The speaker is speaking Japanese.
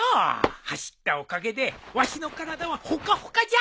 走ったおかげでわしの体はホカホカじゃ。